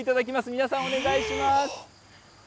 皆さん、お願いします。